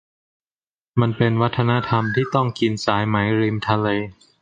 มันเป็นวัฒนธรรมที่ต้องกินสายไหมริมทะเล